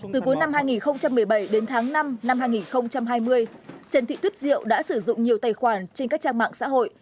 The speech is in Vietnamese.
từ cuối năm hai nghìn một mươi bảy đến tháng năm năm hai nghìn hai mươi trần thị tuyết diệu đã sử dụng nhiều tài khoản trên các trang mạng xã hội